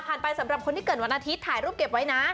ไปสำหรับคนที่เกิดวันอาทิตย์ถ่ายรูปเก็บไว้นะ